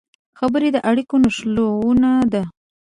خبرې د اړیکو نښلونه ده